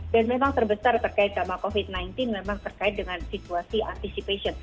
dan memang terbesar terkait sama covid sembilan belas memang terkait dengan situasi anticipation